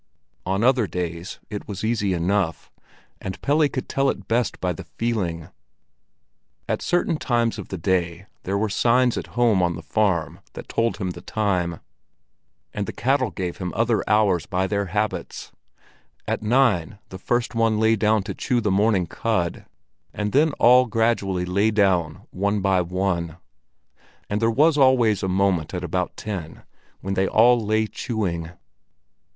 On other days it was easy enough, and Pelle could tell it best by the feeling. At certain times of the day there were signs at home on the farm that told him the time, and the cattle gave him other hours by their habits. At nine the first one lay down to chew the morning cud, and then all gradually lay down one by one; and there was always a moment at about ten when they all lay chewing.